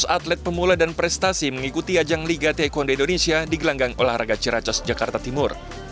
tiga dua ratus atlet pemula dan prestasi mengikuti ajang liga teh kondo indonesia di gelanggang olahraga ciracos jakarta timur